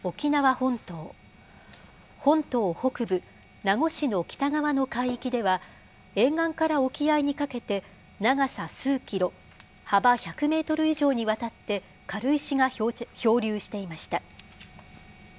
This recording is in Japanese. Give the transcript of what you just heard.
本島北部、名護市の北側の海域では、沿岸から沖合にかけて、長さ数キロ、幅１００メートル以上にわたって軽石が漂流していました。